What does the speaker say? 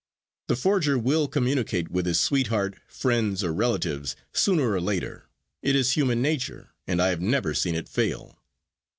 The forger will communicate with his sweetheart, friends or relatives sooner or later; it is human nature and I have never seen it fail.